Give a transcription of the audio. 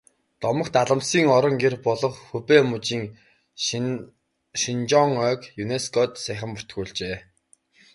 Домогт алмасны орон гэр болох Хубэй мужийн Шеннонжиа ойг ЮНЕСКО-д саяхан бүртгүүлжээ.